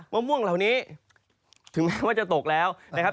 มะม่วงเหล่านี้ถึงแม้ว่าจะตกแล้วนะครับ